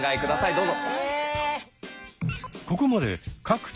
どうぞ。